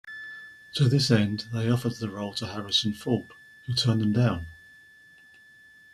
To this end, they offered the role to Harrison Ford who turned them down.